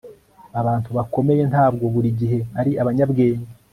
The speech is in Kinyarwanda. Abantu bakomeye ntabwo buri gihe ari abanyabwenge